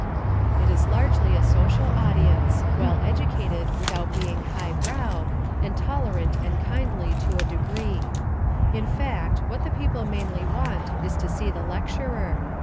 It is largely a social audience, well educated without being "highbrow," and tolerant and kindly to a degree. In fact, what the people mainly want is to see the lecturer.